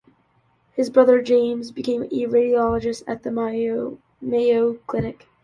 His other brother, James, became a radiologist at the Mayo Clinic.